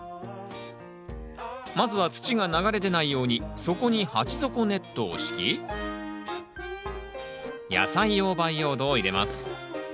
まずは土が流れ出ないように底に鉢底ネットを敷き野菜用培養土を入れます